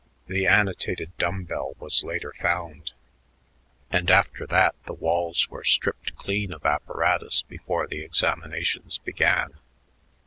The annotated dumbbell was found later, and after that the walls were stripped clean of apparatus before the examinations began.